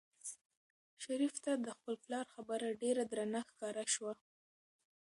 شریف ته د خپل پلار خبره ډېره درنه ښکاره شوه.